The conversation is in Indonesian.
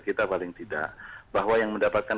kita paling tidak bahwa yang mendapatkan